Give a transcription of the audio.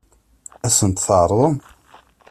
Ad as-ten-tɛeṛḍem?